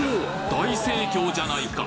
大盛況じゃないか！